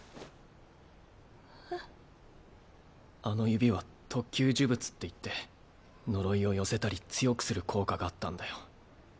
あの指は特級呪物っていって呪いを寄せたり強くする効果があったんだよ。